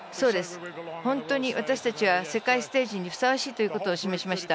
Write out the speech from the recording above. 本当に私たちは世界ステージにふさわしいということを示しました。